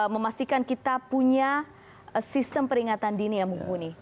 memastikan kita punya sistem peringatan dini yang mumpuni